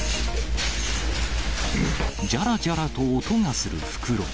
じゃらじゃらと音がする袋。